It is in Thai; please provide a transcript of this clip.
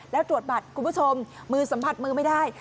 แล้วตรวจบัตรคุณผู้ชมมือสัมผัสมือไม่ได้